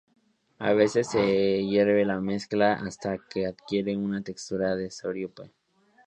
A veces se hierve la mezcla hasta que adquiere una textura de sirope.